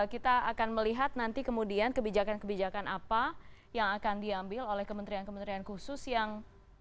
kita akan melihat nanti kemudian kebijakan kebijakan apa yang akan diambil oleh kementerian kementerian khusus yang